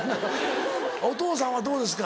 お父さんはどうですか？